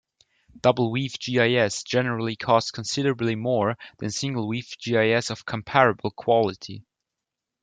Double-weave gis generally cost considerably more than single-weave gis of comparable quality.